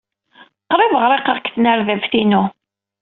Qrib ɣriqeɣ deg tnerdabt-inu.